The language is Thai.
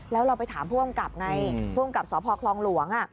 แล้วเราไปถามผู้กำกับไงผู้กำกับสพคลองหลวง